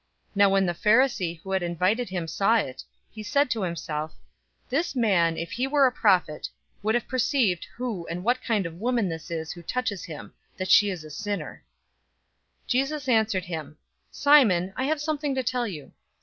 007:039 Now when the Pharisee who had invited him saw it, he said to himself, "This man, if he were a prophet, would have perceived who and what kind of woman this is who touches him, that she is a sinner." 007:040 Jesus answered him, "Simon, I have something to tell you."